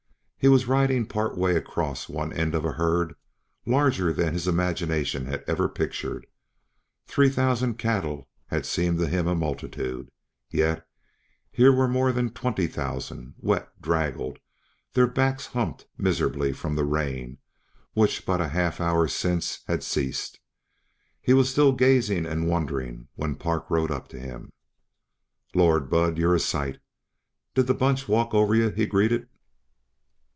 He was riding part way across one end of a herd larger than his imagination had ever pictured; three thousand cattle had seemed to him a multitude yet here were more than twenty thousand, wet, draggled, their backs humped miserably from the rain which but a half hour since had ceased. He was still gazing and wondering when Park rode up to him. "Lord! Bud, you're a sight! Did the bunch walk over yuh?" he greeted.